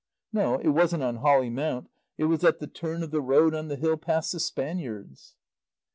No, it wasn't on Holly Mount, it was at the turn of the road on the hill past the "Spaniards."